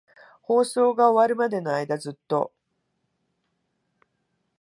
放送が終わるまでの間、ずっと。